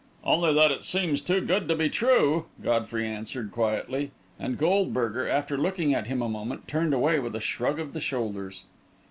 "Only that it seems too good to be true," Godfrey answered, quietly, and Goldberger, after looking at him a moment, turned away with a shrug of the shoulders.